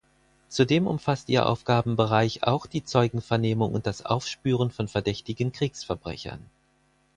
Zudem umfasste ihr Aufgabenbereich auch die Zeugenvernehmung und das Aufspüren von verdächtigen Kriegsverbrechern.